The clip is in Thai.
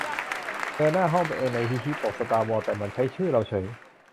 เจอหน้าน้องตัวเอง ใน ฮิฮิ ปกสตาร์วอร์ แต่มันใช้ชื่อเราเฉย